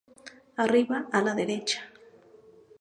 Arriba a la derecha.